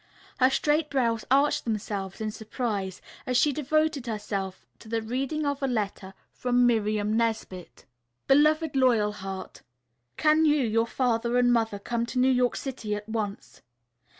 Her straight brows arched themselves in surprise as she devoted herself to the reading of a letter from Miriam Nesbit. "BELOVED LOYALHEART: "Can you, your father and mother come to New York City at once?